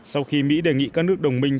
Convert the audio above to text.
sau khi mỹ đề nghị các nước đồng minh